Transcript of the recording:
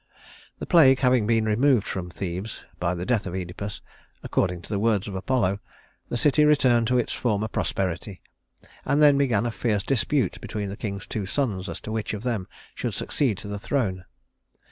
The plague having been removed from Thebes by the death of Œdipus according to the words of Apollo the city returned to its former prosperity; and then began a fierce dispute between the king's two sons as to which of them should succeed to the throne.